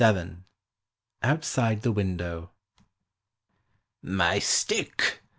VII OUTSIDE THE WINDOW "MY stick!"